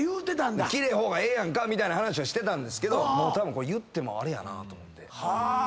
奇麗な方がええやんかみたいな話はしてたんですけど言ってもあれやなぁと思って。